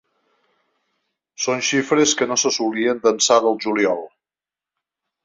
Són xifres que no s’assolien d’ençà del juliol.